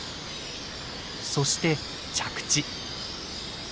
そして着地。